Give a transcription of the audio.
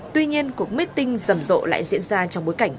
tuy nhiên cuộc meeting rầm rộ lại diễn ra trong bối cảnh